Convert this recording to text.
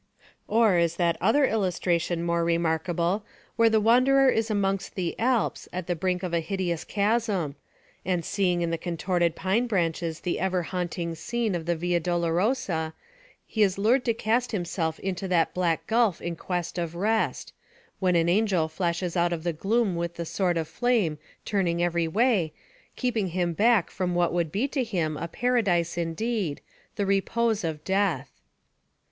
Or, is that other illustration more remarkable, where the wanderer is amongst the Alps, at the brink of a hideous chasm; and seeing in the contorted pine branches the ever haunting scene of the Via Dolorosa, he is lured to cast himself into that black gulf in quest of rest, when an angel flashes out of the gloom with the sword of flame turning every way, keeping him back from what would be to him a Paradise indeed, the repose of Death?